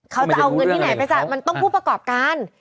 เขาจะเอาเงินที่ไหนไปจ่ายมันต้องผู้ประกอบการ